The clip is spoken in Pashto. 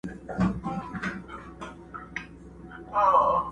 نور په دې شین سترګي کوږ مکار اعتبار مه کوه!.